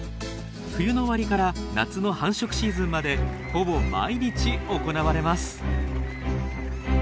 冬の終わりから夏の繁殖シーズンまでほぼ毎日行われます。